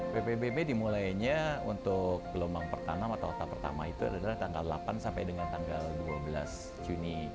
ppdb dimulainya untuk gelombang pertama adalah tanggal delapan sampai dengan tanggal dua belas juni